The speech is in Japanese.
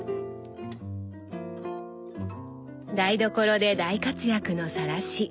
台所で大活躍のさらし。